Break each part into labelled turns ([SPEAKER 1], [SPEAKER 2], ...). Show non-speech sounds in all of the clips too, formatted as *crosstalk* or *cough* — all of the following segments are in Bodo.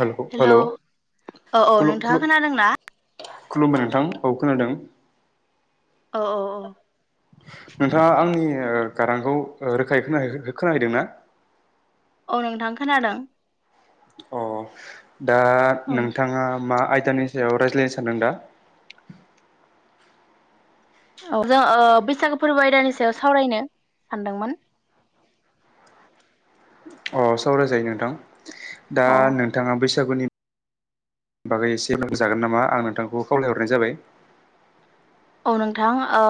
[SPEAKER 1] हेल
[SPEAKER 2] हेलौ
[SPEAKER 1] हेल'
[SPEAKER 2] औ औ
[SPEAKER 1] *unintelligible*
[SPEAKER 2] नोंथाङा खोनादोंना
[SPEAKER 1] खुलुमबाय नोंथां औ खोनादों।
[SPEAKER 2] अ औ औ
[SPEAKER 1] नोंथाङा आंनि ओ गारांखौ रोखायै खोनाहैदों ना
[SPEAKER 2] औ नोंथां खोनादों।
[SPEAKER 1] अ दा
[SPEAKER 2] औ
[SPEAKER 1] नोंथाङा मा आयदानि सायाव रायज्लायनो सानदों दा
[SPEAKER 2] औ जों बैसागो फोरबो आयदानि सायाव सावरायनो सानदोंमोन।
[SPEAKER 1] अ सावराय जायो नोंथां दा
[SPEAKER 2] अ
[SPEAKER 1] नोंथाङा बेसे जाबनि *unintelligible* बागै एसे लोगो जागोन नामा आं नोंथांखौ खावलायहरनाय जाबाय
[SPEAKER 2] औ नोंथां ओ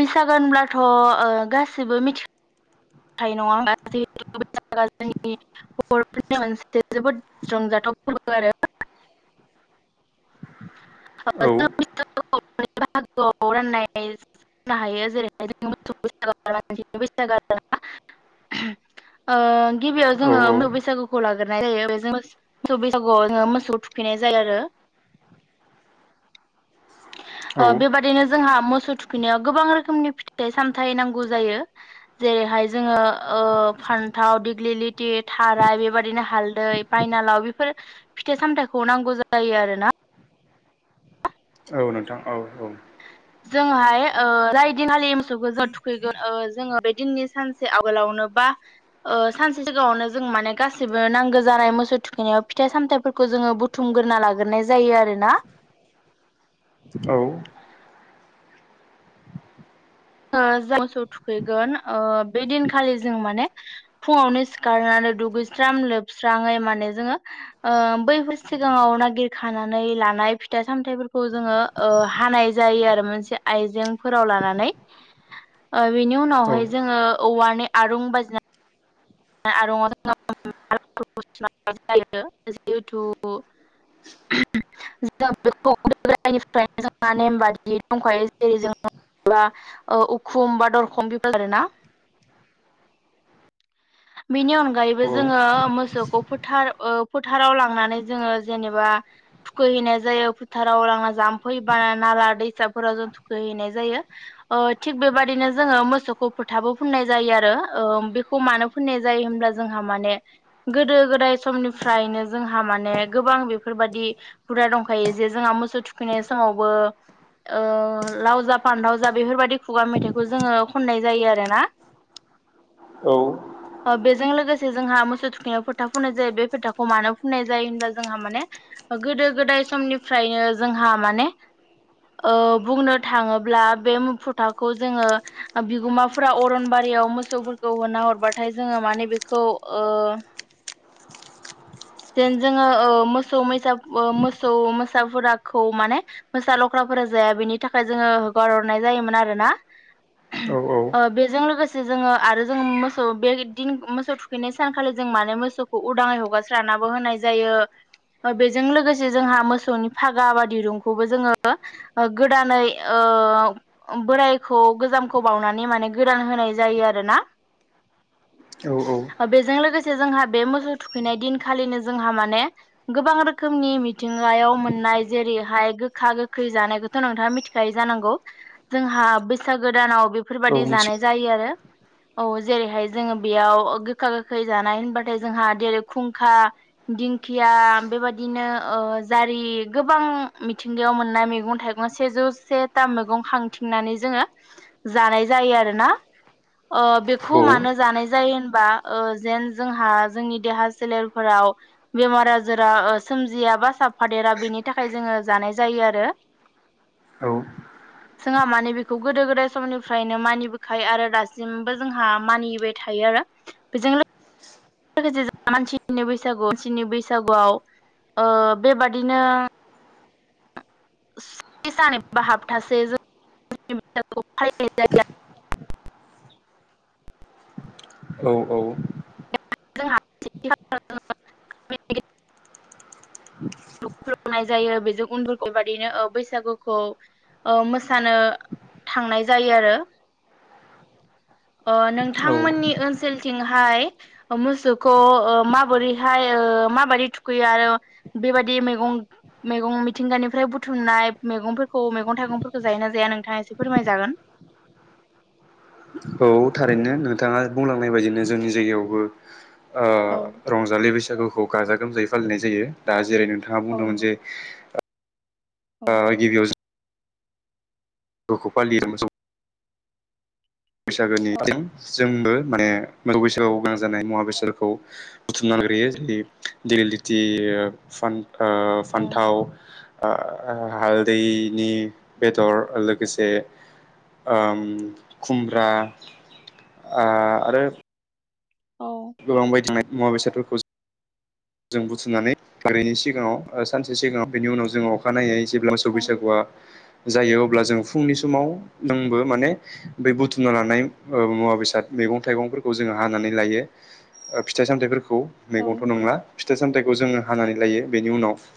[SPEAKER 2] बैसागो‌ होनब्लाथ' गाससिबो मिथि थ न *unintelligible* फोरआ जोंनि बर'फोरनि मोनसे जोबोद रंजाथाव फोरबो आरो *unintelligible*
[SPEAKER 1] *unintelligible* औ
[SPEAKER 2] जों बाहागोआव राननाय जनो हायो जेरैहाय जों मोसौ *unintelligible* *unintelligible*
[SPEAKER 1] *unintelligible*
[SPEAKER 2] ह *unintelligible* ओ *unintelligible* गिबियाव
[SPEAKER 1] औ
[SPEAKER 2] जोङो मो बैसागुखौ लाग्रोननाय जायो बेोो मोसौ बैसागुआव जोो मोसौ थुखैनाय नाय जायो आरो
[SPEAKER 1] *unintelligible*
[SPEAKER 2] ओ बेबादिनो जोंहा मोसौ थुखैनायाव गोबां रोखोमनि फिथाइ सामथाय नांगौ जायो जेरै जोङो ओ फान्थाव दिग्लिलिथि थाराय बेबायदिनो हालदै बायनालाव बेफोर फिथाइ सामथाइखौ नांगौ जायो आरोना।
[SPEAKER 1] औ नोंथां औ औ
[SPEAKER 2] जोंहाय ओ जाय दिनखालि मोसौखौ जों थुखैगोन ओ जोङो बे दिननि सानसे आगोलावनो नो बा ओ सानसे सिगाङावनो जों माने गासिबो नांगौ जानाय मोसौ थुखैनायाव फिथाइ सामथफोर खो जोङो बुथुमग्रोना लाग्रोनाय जायो आरोना।
[SPEAKER 1] औ
[SPEAKER 2] ओ जाय मोसौ थुखैगोन ओ बे दिनखालि जों माने फुङावनो सिखारनानै दुगैस्रां लोबस्रांङै माने जोङो ओ बैफोर सिगाङाव नागिरखानानै लानाय फिथाइ सामथाइफोरखौ जोङो ओषहानाय जायो आरो मोनसे आइजेंफोराव लानानै। बेनि
[SPEAKER 1] औ
[SPEAKER 2] उनावहाय जोङो औवानि आरुं बाजिना आरोङआव *unintelligible* जायो जिहेथु
[SPEAKER 1] *inaudible*
[SPEAKER 2] जों बे गोदायनिफ्रायनो जोंहा नेम बादियै दंखायो जेरै जों उखुम बा दरखम बेफोर आरो ना।
[SPEAKER 1] *inaudible*
[SPEAKER 2] बेनि अनगायैबो जोङो मोसौखौ फोथार ओ फोथाराव लांनानै जोङो जेनेबा थुखैहैनाय जायो फोथाराव लांना जाम्फै बाना नाला दैसाफोराव जों थुखैहैनाय जायो ओ थिग बेबायदिनो जोङो मोसौखौ फोथाबो फुननाय जायो। जायो आरो ओ मानो फनाय जायो होनब्ला जोंहा माने गोदो गोदाय समनिफ्रायनो जोंहा माने गोबां आं बेफोरबाददि हुदा दंखायो जे जोंहा मोसौ थुखैनाय समावबो ओ लाव जा फानथाव जा बेफोरबायदि खुगा मेथाइखौ जोङो खननाय जायो आरोना।
[SPEAKER 1] औ।
[SPEAKER 2] ओ बेजों लोगोसे जोंहा मोसौ थुखैनाय फोथा फुननाय जायो बे फोथाखौ मानो फुननाय जायो होनब जोंहा माने गोदो गोदाय समनिफ्रायनो जोंहा माने ओ बुंनो थाङोब्ला बे मुफुथाखौ जोङो बिगोमाफोरा अरनबारि रिआव मोसौफोरखौ होना हरबाथाय जोङो माने बेखौ ओ जेन जोङो ओ मोसौ मोसा मोसौ मोसाफोराखौ माने मोसा लख्रा फोरा जाया बेनि थाखाय जोङो होगारहरनाय जायोमोन आरोना
[SPEAKER 1] औ
[SPEAKER 2] बेजों लोगोसे जोङो आरो जों मोसौ बे दिन मोसौ थुखैनाय सानखालि जों माने मोसौखौ उदाङै हगार स्रानाबो होनाय जायो। बेजों लोगोसे जोंहा मोसौनि फागा बा दिरुंखौबो जोङो गोदानै ओ ओ बोरायखौ गोजामखौ बावनानै माने गोदान होनाय जायो आरोना।
[SPEAKER 1] *unintelligible* औ औ
[SPEAKER 2] बेजों लोगोसे जोंहा बे मोसौ थुखैनाय दिन खालिनो जोंहा माने गोबां रोखोमनि मिथिंगायाव मोननाय जेरैहाय गोखा गोखै जानायखौथ' नोंथाङा मिथिखायो जानांगौ जोंहा बैसागोदानाव
[SPEAKER 1] औ
[SPEAKER 2] बेफोरबायाददि
[SPEAKER 1] मिथि
[SPEAKER 2] जानाय जायो आरो। औ जेरैहाय जोङो बेयाव गोखा गोखै जानाय होनबाथाय जोंहा जेरै खा दिंखिया बेबायदिनो ओ जारि गोबां मिथिंगायाव मोन मैगं थाइगं सेजौ से थाम मैगं खांथिंनानै जोङो जानाय जायो आरोना।
[SPEAKER 1] *inaudible*
[SPEAKER 2] ओ बेखौ
[SPEAKER 1] औ
[SPEAKER 2] मानो जानाय जायो होनबा ओ जेन जोंहा जोंनि देहा सोलेफोराव बेमार आजारा सोमजिया बा साफादेरा बेनि थाखाय जोङो जानाय जायो। आरो
[SPEAKER 1] औ।
[SPEAKER 2] जोंहा माने बेखौ गोदो गोदाय समनिफ्रायनो मानिबोखायो आरो दासिमबो जोंहा मानिबाय थायो। आरो बेजोंनो *unintelligible* मानसिनि बैसागु मानसिनि बैसागुआव ओ बेबादिनो स्नि सान एबा हाथासे *unintelligible*
[SPEAKER 1] *inaudible* औ औ।
[SPEAKER 2] *unintelligible* खुलुमनाय जायो बेजों उन्दफोरखौ बादिनो बैसागुखौ मोसानो थांनाय जायो आरो
[SPEAKER 1] *inaudible* औ
[SPEAKER 2] नोंथांमोननि ओनसोलथिंहाय मोसौखौ माबोरैहाय मा बादि थुखैयो आरो बेबायदि मैगं मैगं मिथिंगानिफ्राय बुथुमनाय मैगंफोरखौ मैगं थाइगंफोरखौ जायो ना जाया नो नोंथाङा एसे फोरमायजागोन
[SPEAKER 1] *unintelligible* औ थारैनो नोंथाङा बुंलांनाय बायदिनो जोंनि जायगायावबो
[SPEAKER 2] औ
[SPEAKER 1] रंजालि बैसागुखौ गाजा गोमजायै फालिनाय जायो दा जेरै नोंथाङा
[SPEAKER 2] औ
[SPEAKER 1] बुंदोंमोन
[SPEAKER 2] नंगौ
[SPEAKER 1] जे गिबियाव गखौ फालियो
[SPEAKER 2] औ
[SPEAKER 1] बैसागोनिथिं जोंबो माने बैसागाव गोनां जानाय मुवा बेसादखौ बुथुमना नाग्रोयो जेरै लिलिटि
[SPEAKER 2] औ
[SPEAKER 1] फान्थाव हालदैनि बेदर लोगोसे खुमब्रा आरो
[SPEAKER 2] औ
[SPEAKER 1] गोलांबाय थानाय मुवा बेसादफोरखौ जों बुथुमनानै ओरैनि सिगाङाव सानसे सिगाङाव बेनि उनाव जोंङो अखानायनायै जेब्ला स
[SPEAKER 2] औ
[SPEAKER 1] बैसागुआ जायो अब्ला जों फुंनि समाव जोंबो माने बै बुथुमना लानाय मुवा बेसाद मैगं थाइगंफोरखौ जोङो हानानै लायो फिथाइ सामथायाइफोरखौ
[SPEAKER 2] औ
[SPEAKER 1] मैगंथ' नंला फिथाइ सामथाइखौ जोङो हानानै लायो बेनि उनाव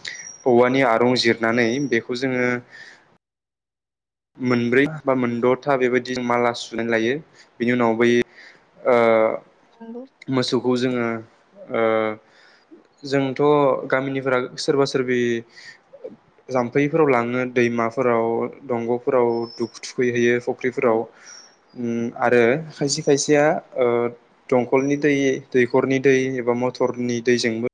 [SPEAKER 1] औवानि आरं जिरनानै बेखौ जोङो मोनब्रै बा मोनद'था बेबायदि माला सुनानै लायो बिनि उनाव बै
[SPEAKER 2] नंगौ
[SPEAKER 1] मोसौखौ जोङो जोंथ' गामिनिफोरा सोरबा सोरबि जाम्फैफोराव लाङो दै दैमाफोराव दंग'फोराव दु थुखैहैयो फुख्रिफोराव
[SPEAKER 2] औ
[SPEAKER 1] आरो खायसे खायसेया दंखलनि दै दैखरनि दै एबा मथरनि दैजोंबो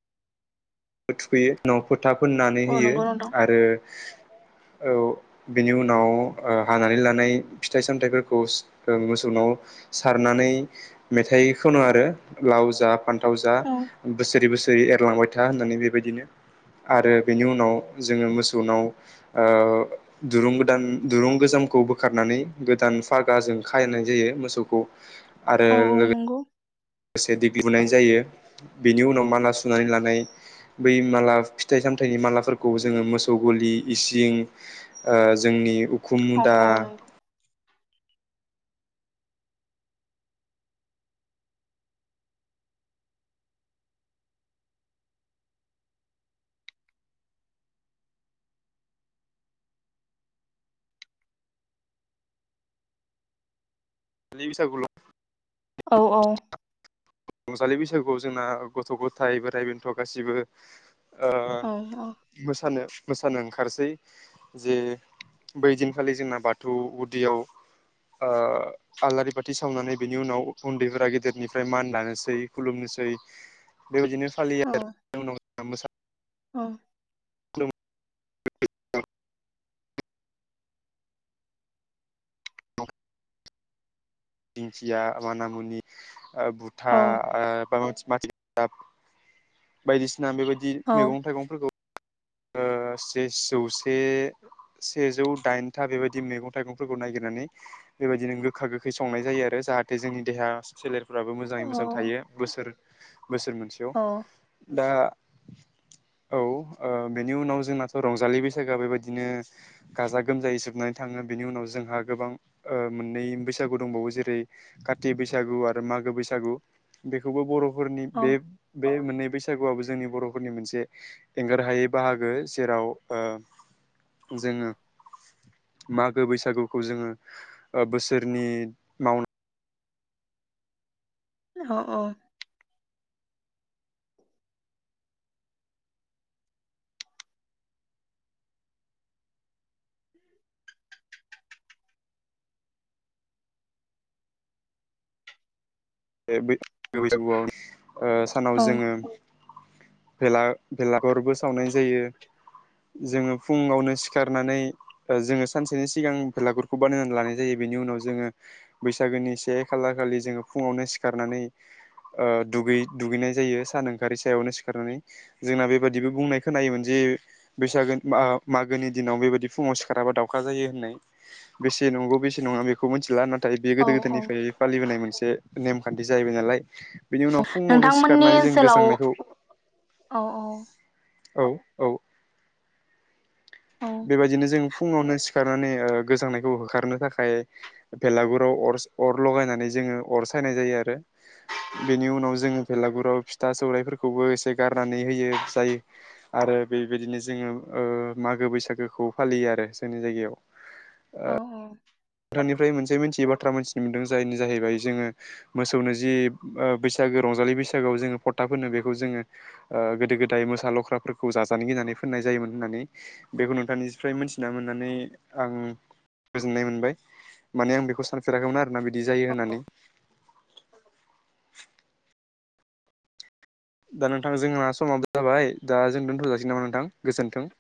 [SPEAKER 1] थुखैयो न' फोथा फोननानै
[SPEAKER 2] औ
[SPEAKER 1] होयो
[SPEAKER 2] नंगौ नोंथां
[SPEAKER 1] आरो औ बेनि उनाव हानानै लानाय फिथाइ सामथाइफोरखौ मोसौव नाव सार मेथाइ खनो आरो लाव जा
[SPEAKER 2] औ
[SPEAKER 1] बोसोरै बोसोरै एरलांबाय था होननानै बेबायदिनो आरो बेनि उनाव जोङो मोसौनाव दुरुं गोदान दुरुं गोजाम खौ बोखारनानै गोदान फागाजों खाहनाय जायो मोसौखौ आरो
[SPEAKER 2] औ औ नंगौ
[SPEAKER 1] लोगोसे दिग्लि बुनाय जायो बेनि उनाव माला सुनानै लानाय बै माला फिथाइ सामथाइनि मालाफोरखौ जोङो मोसौ गलि इसिं जोंनि उखुम
[SPEAKER 2] औ
[SPEAKER 1] मुदा
[SPEAKER 2] औ नंगौ
[SPEAKER 1] बिसागल
[SPEAKER 2] औ औ
[SPEAKER 1] रंजालि बैसागुआव जोंना गथ' गथाय बोराइ बेन्थ' गासिबो
[SPEAKER 2] औ
[SPEAKER 1] मोसानो मस मोसानो ओंखारसै जे बैदिनखालि जोंना बाथौ गुदियाव आलारि बाथि सावनानै बिनि उनाव उन्दैफोरा गेदेरनिफ्राय मान दानो स खुलुमनोसै बेबायदिनो फालियो
[SPEAKER 2] औ
[SPEAKER 1] आरोनो
[SPEAKER 2] औ
[SPEAKER 1] *unintelligible* दिंखिया माना मुनि बुथा *unintelligible* बा बायदिसिना बेबायदि मैगं थाइगंफोरखौ ओ जौसे सेजौ दाइनथा बेबायदि मैगं थाइगंफोरखौ ननायागिरनानै बेबायदिनो गोखा गोखै संनाय जायो आरो जाहाथे जोंनि देहा सोलेरफ्राबो मोजाङै मोजां थायो बोसोर बोसोर मोनसेयाव
[SPEAKER 2] औ
[SPEAKER 1] दा औ ओ बेनि उनाव जोंनाथ' रंजालि बैसागो बेबायदिनो गाजा गोमजायै जोबनानै थाङो बेनि उनाव जोंहा गोबां ओ मोननै बैसागु दंबावो जेरै काति बैसागु आरो मागो बैसागु। बेखौबो बर' फोरनि बे-बे मोननै बैसागुआबो जोंनि बर'फोरनि मोनसे एंगार हायै बाहागो। जेराव ओ जोङो मागो बैसागुखौ जोङो ओ बोसोरनि मावनाय
[SPEAKER 2] अह अह।
[SPEAKER 1] बे बै-बैसागुआव ओ सानाव
[SPEAKER 2] औ
[SPEAKER 1] जोङो भेला भेलागुरबो सावनाय जायो। जोङो फुङावनो सिखारनानै जोङो सानसेनि सिगां बेलागुरखौ बानायनानै लानाय जायो। बिनि उनाव जोङो बैसागोनि से खालार खालि जोङो फुङावनो सिखारनानै ओ दुगै-दुगैनाय जायो सान ओंखारि सायावनो सिखारनानै। जोंना बेबादिबो बुंनाय खोनायोमोन जे *unintelligible* बैसागु बा मागोनि दिनाव बेबायदि फुङाव सिखाराबा दाउखा जायो होननाय। बेसे नंगौ, बेसे नङा बेखौ मिथिला। ना थाय बे
[SPEAKER 2] औ
[SPEAKER 1] गोदो
[SPEAKER 2] औ
[SPEAKER 1] गोदायनिफाय फालिबोनाय मोनसे नेमखान्थि जाहैबाय नालाय। बिनि उनाव फुङावनो
[SPEAKER 2] नोंथांमोननि
[SPEAKER 1] सिखारनानै जों
[SPEAKER 2] ओनसोलाव
[SPEAKER 1] गोजांनायखौ
[SPEAKER 2] औ औ
[SPEAKER 1] औ औ।
[SPEAKER 2] औ
[SPEAKER 1] बेबायदिनो जों फुङावनो सि खारनानै ओ गोजांनायखौ होखारनो थाखाय भेलागुराव अरस अर लगायनानै जोङो अर - सायनाय जायो आरो बेनि उनाव जोङो बेलागुराव फिथा सौराइफोरखौबो एसे गारनानै होयो जायो आरो बेबायदिनो जोङो मागो बैसागोखौ फालियो आरो जोंनि जायगायाव।
[SPEAKER 2] औ औ।
[SPEAKER 1] नोंथांनिफ्राय मोनसे मोनथियै बाथ्रा मोनथिनो मोनदों। जायनि जाहैबाय जोङो मोसौनो जि ओ बैसागो रंजालि बैसागोयाव जोङो फथा फोननो बेखौ जोङो गोदो गोदाय मोसा लख्राफोरखौ जाजानो गिनानै फोननाय जायोमोन होननानै बेखौ नोंथांनिफ्राय मिथि मोननानै आं गोजोननाय मोनबाय। माने आं बेखौ सानफेराखैमोन आरोना बि दि जायो होननानै। दा नोंथां जोंना समाबो जाबाय दा जों दोनथ'जासिगौन नामा नोंथां गोजोन्थों। *inaudible*